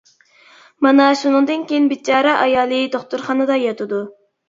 مانا شۇنىڭدىن كىيىن بىچارە ئايالى دوختۇرخانىدا ياتىدۇ.